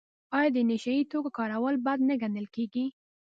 آیا د نشه یي توکو کارول بد نه ګڼل کیږي؟